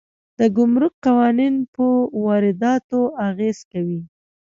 د ګمرک قوانین په وارداتو اغېز کوي.